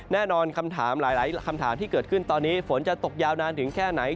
แน่นอนคำถามหลายคำถามที่เกิดขึ้นตอนนี้ฝนจะตกยาวนานถึงแค่ไหน